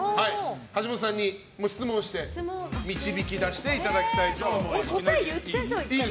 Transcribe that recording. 橋本さんに質問して導き出していただきたいと答え言っちゃいそう。